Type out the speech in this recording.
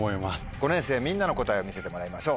５年生みんなの答えを見せてもらいましょう。